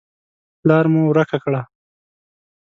لار مو ورکه کړه .